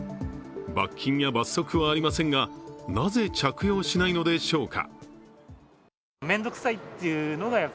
罰金や罰則はありませんが、なぜ着用しないのでしょうか？